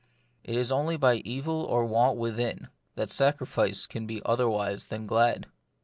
It is only by evil or want within, that sacrifice can be otherwise than glad.